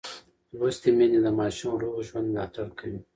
لوستې میندې د ماشوم روغ ژوند ملاتړ کوي.